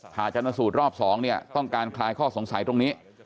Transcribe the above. จนสูตรรอบ๒เนี่ยต้องการคลายข้อสงสัยตรงนี้